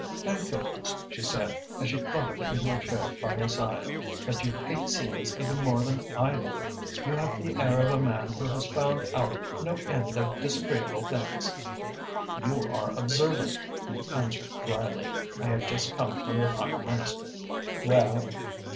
"Thank goodness," she said, as she fluttered into a chair by his side, "that you hate scenes even more than I do! You have the air of a man who has found out no end of disagreeable things!" "You are observant," he answered drily. "I have just come from the Prime Minister." "Well?"